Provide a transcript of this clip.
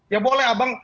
ya boleh abang